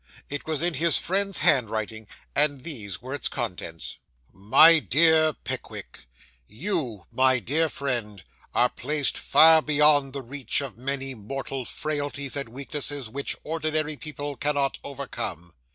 It was in his friend's hand writing, and these were its contents: 'MY DEAR PICKWICK, You, my dear friend, are placed far beyond the reach of many mortal frailties and weaknesses which ordinary people cannot overcome.